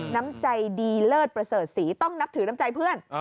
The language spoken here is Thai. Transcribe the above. น้ำใจดีเลิศประเสริฐศรีต้องนับถือน้ำใจเพื่อน